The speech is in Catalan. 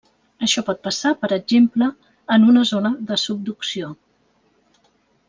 Això pot passar, per exemple, en una zona de subducció.